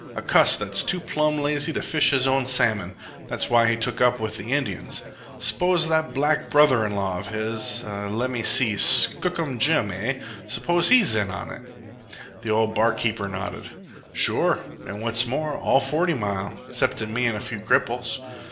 "A cuss that's too plumb lazy to fish his own salmon. That's why he took up with the Indians. S'pose that black brother in law of his, lemme see, Skookum Jim, eh? s'pose he's in on it?" The old bar keeper nodded. "Sure, an' what's more, all Forty Mile, exceptin' me an' a few cripples."